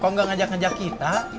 kalau nggak ngajak ngajak kita